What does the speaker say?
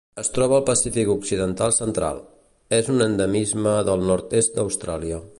Es troba al Pacífic occidental central: és un endemisme del nord-est d'Austràlia.